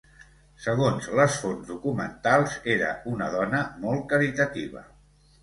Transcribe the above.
Segons les fonts documentals, era una dona molt caritativa.